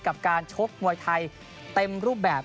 กับการชกมวยไทยเต็มรูปแบบ